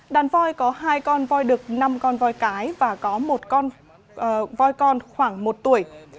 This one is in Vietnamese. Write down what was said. đàn voi có hai con voi đực năm con voi cái và có một con voi con khoảng một tuổi